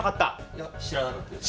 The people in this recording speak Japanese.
いや知らなかったです。